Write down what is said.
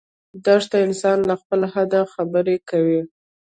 دښته انسان له خپل حده خبر کوي.